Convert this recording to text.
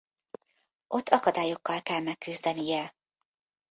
Ott akadályokkal kell megküzdenie.